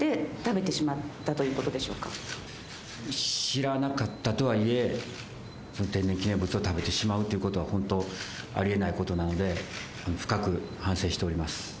知らなかったとはいえ天然記念物を食べてしまうということはホントあり得ないことなので深く反省しております。